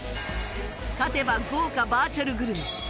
勝てば豪華バーチャルグルメ